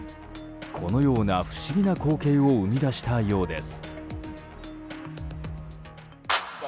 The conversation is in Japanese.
このような不思議な光景を生み出したようです。